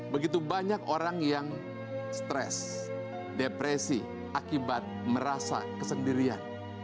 begitu banyak orang yang stres depresi akibat merasa kesendirian